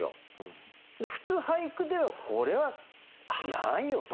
普通俳句ではこれはやらんよと。